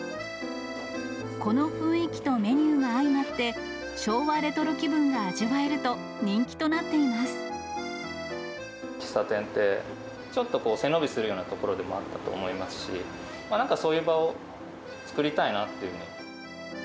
この雰囲気とメニューが相まって、昭和レトロ気分が味わえると人気喫茶店って、ちょっと背伸びするようなところでもあったと思いますし、なんかそういう場を作りたいなっていう。